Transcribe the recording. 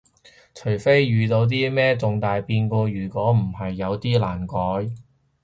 除非遇到啲咩重大變故，如果唔係有啲難改